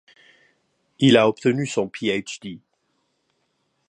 Il a obtenu son Ph.D.